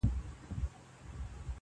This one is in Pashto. • نه به لاس د چا گرېوان ته ور رسېږي -